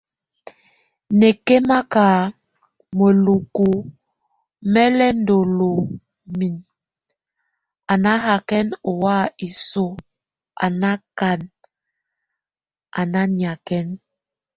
Nákɛmaka muelúku málɛndolonum a náhakɛn o way isoy a nákan, a nányɛkɛn.